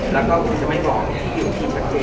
แล้วก็ผมจะไม่บอกที่อยู่ที่ชะเวน